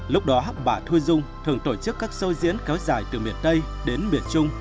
lúc đó bà thuê dung thường tổ chức các sâu diễn kéo dài từ miền tây đến miền trung